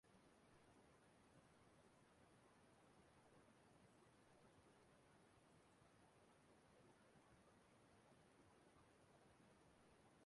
Igbo sị na ọ bụrụ na a pịaghị ngwere ụtarị